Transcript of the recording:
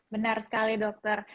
benar sekali dokter